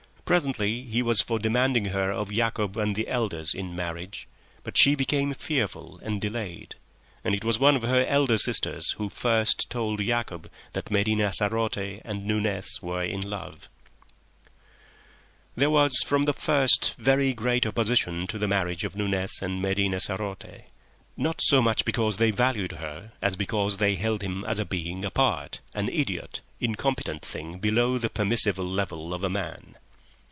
Presently he was for demanding her of Yacob and the elders in marriage, but she became fearful and delayed. And it was one of her elder sisters who first told Yacob that Medina sarote and Nunez were in love. There was from the first very great opposition to the marriage of Nunez and Medina sarote; not so much because they valued her as because they held him as a being apart, an idiot, incompetent thing below the permissible level of a man.